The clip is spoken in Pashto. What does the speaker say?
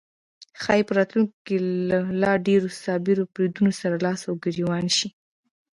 ښایي په راتلونکی کې له لا ډیرو سایبري بریدونو سره لاس او ګریوان شي